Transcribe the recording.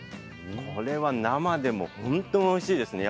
これは生でも本当においしいですね。